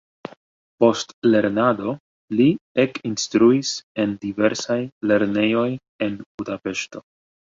Post lernado li ekinstruis en diversaj lernejoj en Budapeŝto.